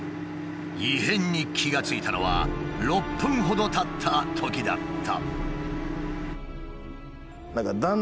異変に気が付いたのは６分ほどたったときだった。